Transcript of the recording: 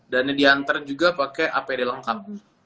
dan yang diantar juga pakai apd lengkap